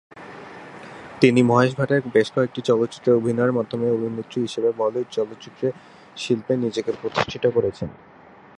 তিনি মহেশ ভাটের বেশকয়েকটি চলচ্চিত্রে অভিনয়ের মাধ্যমে অভিনেত্রী হিসাবে বলিউড চলচ্চিত্র শিল্পে নিজেকে প্রতিষ্ঠিত করেছেন।